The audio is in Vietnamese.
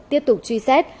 tiếp tục truy xét